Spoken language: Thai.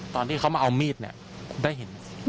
ตอนที่เขามาเอามีดเนี่ยได้เห็น